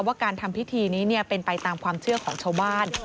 ว่าการทำพิธีนี้เป็นไปตามความเชื่อของชาวบ้าน